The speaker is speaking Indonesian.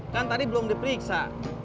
kan tadi belum diperiksa